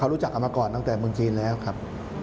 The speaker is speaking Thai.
รู้จักเอามาก่อนตั้งแต่เมืองจีนแล้วครับ